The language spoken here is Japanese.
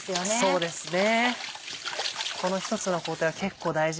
そうですね。